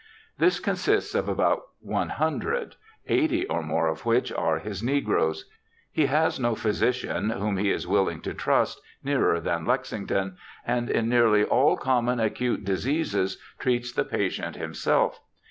This consists of about one hundred, eighty or more of which are his negroes. He has no physician, whom he is willing to trust, nearer than Lexington ; and in nearly all common acute diseases treats the patient himself.